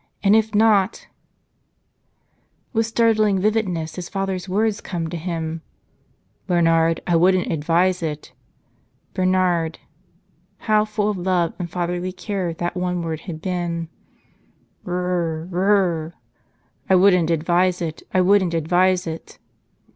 And if not With startling vividness his father's words come to him: "Bernard, I wouldn't advise it." "Bernard —" how full of love and fatherly care that one word had been ! R r r r r ! r r r r r ! "I wouldn't advise it. I wouldn't advise it."